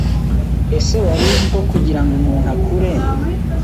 Ese waruziko kugirango umuntu akure